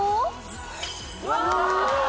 うわ！